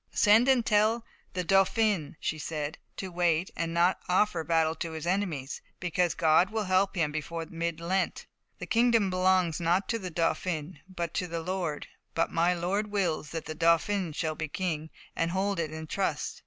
"Send and tell the Dauphin," she said, "to wait and not offer battle to his enemies, because God will give him help before mid Lent. The kingdom belongs not to the Dauphin, but to my Lord; but my Lord wills that the Dauphin shall be king, and hold it in trust.